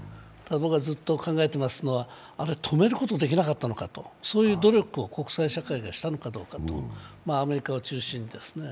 僕はずっと考えてますのは、あれ、止めることはできなかったのかと、そういう努力を国際社会がしたのかどうかと、アメリカを中心にですね。